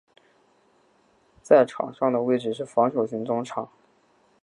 在场上的位置是防守型中场。